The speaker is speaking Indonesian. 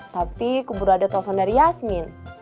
tapi kubur ada telepon dari yasmin